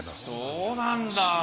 そうなんだ。